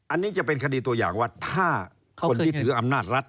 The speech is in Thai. อันนี้จะเป็นคดีตัวอย่างว่าถ้าคนที่ถืออำนาจรัฐ